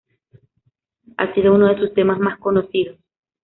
Ha sido uno de sus temas más conocidos.